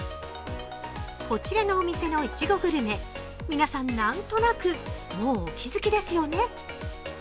こちらのお店のいちごグルメ、皆さん、何となくもうお気づきですよね。